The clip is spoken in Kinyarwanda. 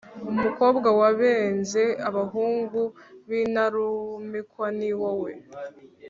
umukobwa wabenze abahungu b’intarumikwa ni wowe